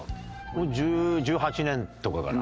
もう１８年とかかな。